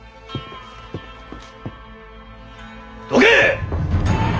どけ！